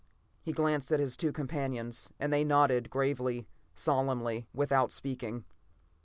He glanced at his two companions, and they nodded gravely, solemnly, without speaking.